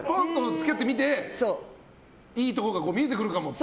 付き合ってみて、いいところが見えてくるかもと。